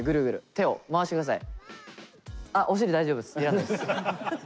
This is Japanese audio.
手を回してください。